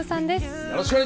よろしくお願いします。